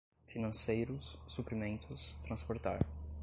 financeiros, suprimentos, transportar